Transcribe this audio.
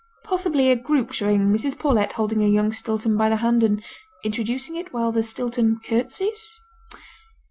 (Possibly a group showing Mrs. Paulet holding a young Stilton by the hand and introducing it, while the Stilton curtsies.)